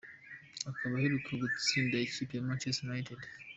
Akaba aherutse gutsinda ikipe ya Manchester United.